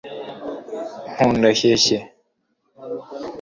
nkunda keke